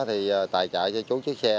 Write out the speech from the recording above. thì tài trại cho chú chức xe